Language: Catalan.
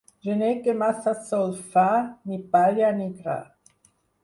Gener que massa sol fa, ni palla ni gra.